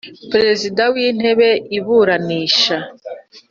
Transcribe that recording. Perezida w inteko iburanisha.